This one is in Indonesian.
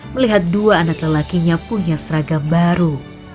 melihat dua anak lelakinya punya seragam baru